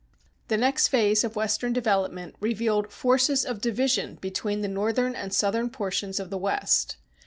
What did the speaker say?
The next phase of Western development revealed forces of division between the northern and southern portions of the West.